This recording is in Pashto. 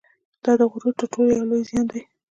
دا د غرور تر ټولو یو لوی زیان دی